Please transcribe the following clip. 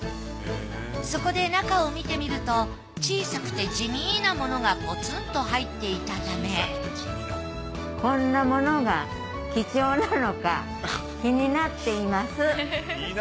そこで中を見てみると小さくて地味なものがポツンと入っていたためこんなものが貴重なのか気になっています。